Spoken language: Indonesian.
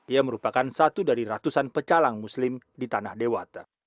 ia merupakan satu dari ratusan pecalang muslim di tanah dewata